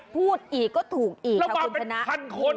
พูดอีกก็ถูกอีกค่ะคุณคณะแล้วมาเป็นพันคนอ่ะ